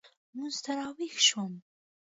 لمونځ ته راوېښ شوم.